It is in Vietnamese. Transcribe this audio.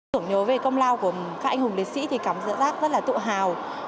tưởng nhớ về công lao của các anh hùng liệt sĩ thì cảm giác rất là tự hào